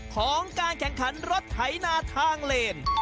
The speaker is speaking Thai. ของการแข่งขันรถไถนาทางเลน